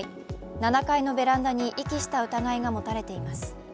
７階のベランダに遺棄した疑いが持たれています。